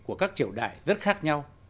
của các triều đại rất khác nhau